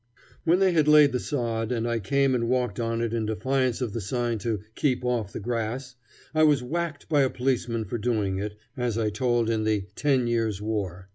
When they had laid the sod, and I came and walked on it in defiance of the sign to "keep off the grass," I was whacked by a policeman for doing it, as I told in the "Ten Years' War."